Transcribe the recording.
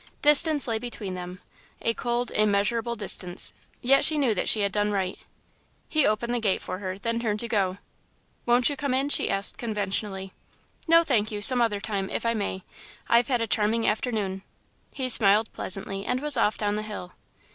Distance lay between them a cold, immeasurable distance, yet she knew that she had done right. He opened the gate for her, then turned to go. "Won't you come in?" she asked, conventionally. "No, thank you some other time, if I may. I've had a charming afternoon." He smiled pleasantly, and was off down the hill.